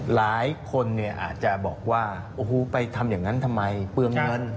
หลายคนเนี่ยอาจจะบอกว่าโอ้โหไปทำอย่างนั้นทำไมเปลืองเงิน